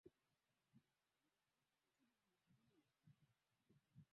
Askari yule ni mwenye hofu.